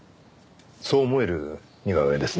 そう思える似顔絵ですね。